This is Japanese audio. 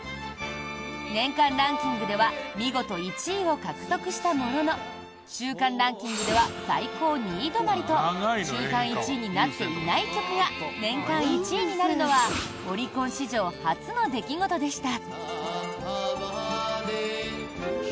年間ランキングでは見事１位を獲得したものの週間ランキングでは最高２位止まりと週間１位になっていない曲が年間１位になるのはオリコン史上初の出来事でした。